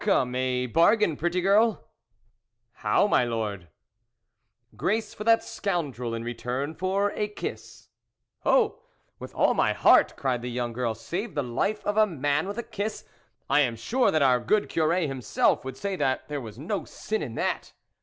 Come, a bargain, pretty girl !"" How, my Lord ?"" Grace for that scoundrel in return for a kiss." " Oh ! with all my heart !" cried the young girl. " Save the life of a man with a kiss ! I am sure that our good Curb himself would say there was no sin in that."